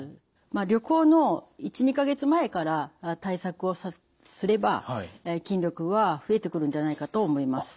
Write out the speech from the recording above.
旅行の１２か月前から対策をすれば筋力は増えてくるんじゃないかと思います。